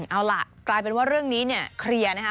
เอาล่ะกลายเป็นว่าเรื่องนี้เนี่ยเคลียร์นะคะ